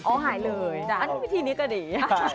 อันนี้วิธีนี้ก็ดี